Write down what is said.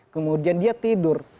kemudian dia tidur